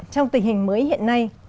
trong tình hình mới hiện nay